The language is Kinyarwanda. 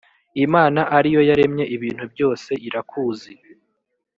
imana ari yo yaremye ibintu byose irakuzi